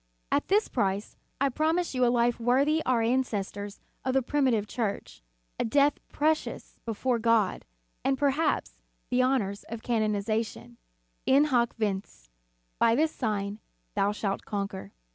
At this price, I promise you a life worthy our ancestors of the primitive Church, a death precious before God, and, perhaps, the honors of canonization : In hoc vince: By this sign thou shalt conquer.